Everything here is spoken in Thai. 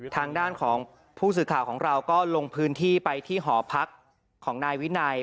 ทางด้านของผู้สื่อข่าวของเราก็ลงพื้นที่ไปที่หอพักของนายวินัย